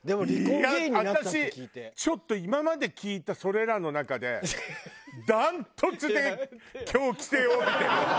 いや私ちょっと今まで聞いたそれらの中で断トツで狂気性を帯びてる。